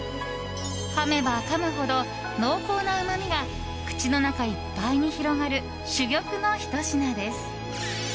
かめばかむほど濃厚なうまみが口の中いっぱいに広がる珠玉のひと品です。